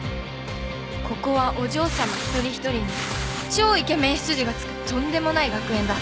ここはお嬢さま一人一人に超イケメン執事がつくとんでもない学園だ